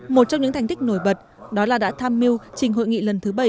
một trong những thành tích nổi bật đó là đã tham mưu trình hội nghị lần thứ bảy